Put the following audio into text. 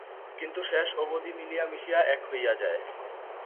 কিন্তু শেষ অবধি মিলিয়া মিশিয়া এক হইয়া যায়।